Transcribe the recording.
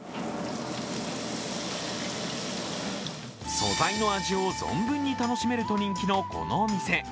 素材の味を存分に楽しめると人気のこのお店。